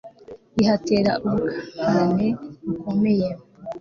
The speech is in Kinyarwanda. bihatera ubukangarane bukomeye